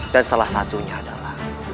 dan salah satunya adalah